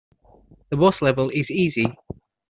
The boss level is easy.